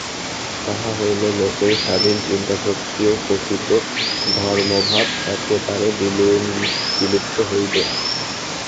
তাহা হইলে লোকের স্বাধীন চিন্তাশক্তি ও প্রকৃত ধর্মভাব একেবারে বিলুপ্ত হইবে।